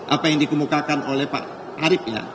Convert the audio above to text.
apa yang dikemukakan oleh pak arief ya